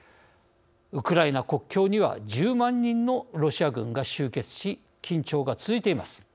ウクライナ国境には１０万人のロシア軍が集結し緊張が続いています。